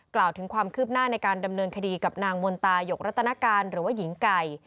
กล่าวถึงความคืบหน้าในการดำเนินคดีกับนางมนตายกรัตนการหรือว่าหญิงไก่